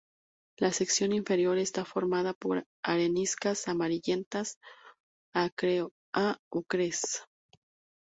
La sección inferior está formada por areniscas amarillentas a ocres.